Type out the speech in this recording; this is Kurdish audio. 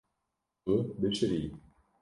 Tu bişirî.